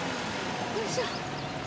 よいしょ。